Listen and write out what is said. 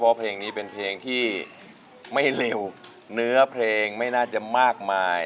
เพราะเพลงนี้เป็นเพลงที่ไม่เร็วเนื้อเพลงไม่น่าจะมากมาย